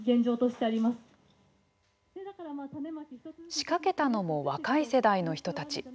仕掛けたのも若い世代の人たち。